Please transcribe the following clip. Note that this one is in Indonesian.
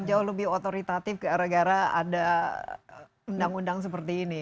jauh lebih otoritatif gara gara ada undang undang seperti ini